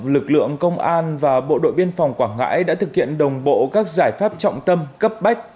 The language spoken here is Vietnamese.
lực lượng công an và bộ đội biên phòng quảng ngãi đã thực hiện đồng bộ các giải pháp trọng tâm cấp bách